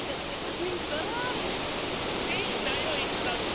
いいんだよいつだって！